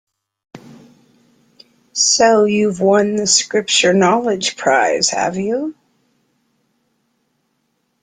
So you've won the Scripture-knowledge prize, have you?